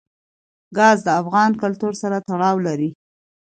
ګاز د افغان کلتور سره تړاو لري.